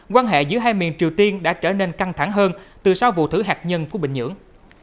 quan hệ giữa hai miền triều tiên đã trở nên căng thẳng hơn từ sau vụ thử hạt nhân của bình nhưỡng